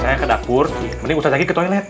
saya ke dapur mending ustadzah lagi ke toilet